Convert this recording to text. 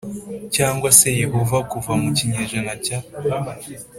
Cyangwa se yehova kuva mu kinyejana cya